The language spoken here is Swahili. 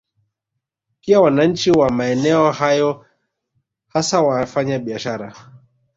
Pia wananchi wa maeneo hayo hasa wafanya biashara